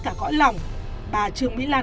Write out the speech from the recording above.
cả gõi lỏng bà trương mỹ lan